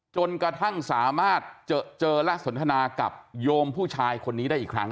จนกระทั่งสามารถเจอและสนทนากับโยมผู้ชายคนนี้ได้อีกครั้ง